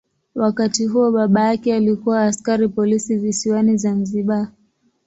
Wakati huo baba yake alikuwa askari polisi visiwani Zanzibar.